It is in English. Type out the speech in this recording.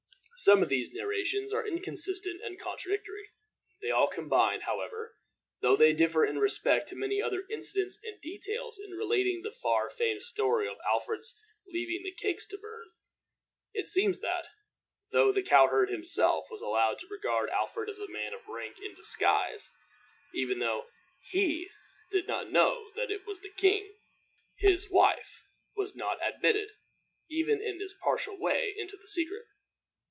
Some of these narrations are inconsistent and contradictory. They all combine, however, though they differ in respect to many other incidents and details, in relating the far famed story of Alfred's leaving the cakes to burn. It seems that, though the cow herd himself was allowed to regard Alfred as a man of rank in disguise though even he did not know that it was the king his wife was not admitted, even in this partial way, into the secret.